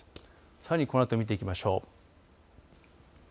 さらにこのあと見ていきましょう。